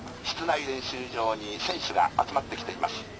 室内練習場に選手が集まってきています。